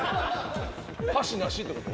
箸ナシってこと？